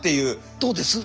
どうです？